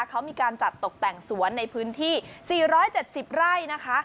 เขามีการจัดตกแต่งสวนในพื้นที่๔๗๐ไร่นะคะ